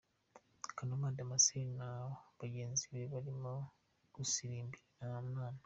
Kanuma Damascene na bagenzi be barimo gusirimbira Imana.